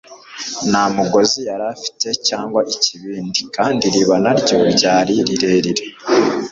Nta mugozi yari afite cyangwa ikibindi, kandi iriba na ryo ryari rirerire.